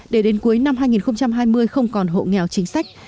để đến cuối năm hai nghìn hai mươi không còn hộ nghèo chính sách